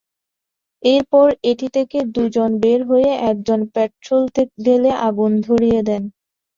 এরপর এটি থেকে দুজন বের হয়ে একজন পেট্রল ঢেলে আগুন ধরিয়ে দেন।